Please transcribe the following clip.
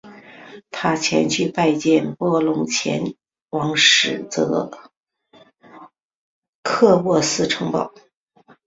他前去拜见波隆前往史铎克渥斯城堡。